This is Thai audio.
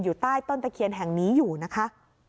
ใต้ต้นตะเคียนแห่งนี้อยู่นะคะ